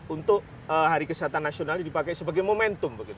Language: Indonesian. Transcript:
untuk hari kesehatan nasional ini dipakai sebagai momentum